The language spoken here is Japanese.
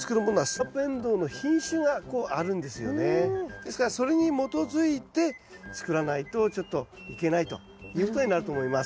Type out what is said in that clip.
ですからそれに基づいて作らないとちょっといけないということになると思います。